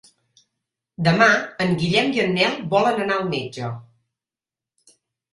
Demà en Guillem i en Nel volen anar al metge.